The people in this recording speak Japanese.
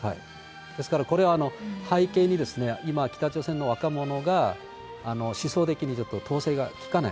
ですから、これは背景に、今、北朝鮮の若者が思想的にちょっと統制が利かない。